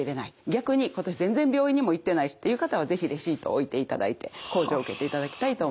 逆に今年全然病院にも行ってないしという方は是非レシートを置いていただいて控除を受けていただきたいと思います。